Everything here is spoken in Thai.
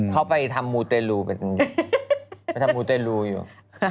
เขาไปทำมูเตรลูเป็นไปทำมูเตรลูอยู่